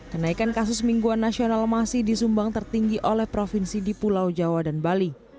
kenaikan kasus mingguan nasional masih disumbang tertinggi oleh provinsi di pulau jawa dan bali